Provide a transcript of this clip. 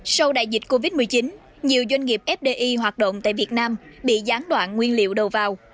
sau đại dịch covid một mươi chín nhiều doanh nghiệp fdi hoạt động tại việt nam bị gián đoạn nguyên liệu đầu vào